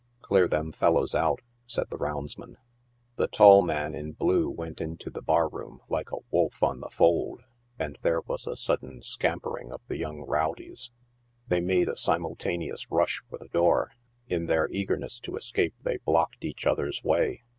" Clear them fellows out," said the roundsman. The tall man in blue went into the bar room like a wolf on the fold, and there was a sudden scampering of the young row lies. Tbey made a simultaneous rush for the door. In their eagerness to escape, they blocked each other's way.